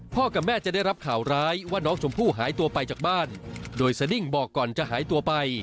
กับแม่จะได้รับข่าวร้ายว่าน้องชมพู่หายตัวไปจากบ้านโดยสดิ้งบอกก่อนจะหายตัวไป